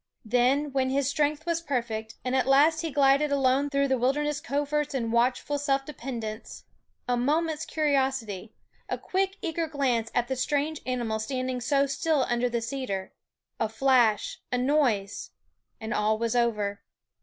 Then when his strength was perfect, and at last he glided alone through the wilderness coverts in watchful self dependence a moment's curi osity, a quick eager glance at the strange animal standing so still under the cedar, a flash, a noise ; and all was over.